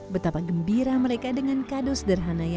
benar yang lagi si unik ini saja dengan parahnya